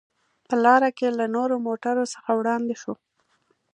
په لار کې له نورو موټرو څخه وړاندې شوو.